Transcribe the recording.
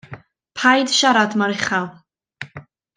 Paid siarad mor uchel.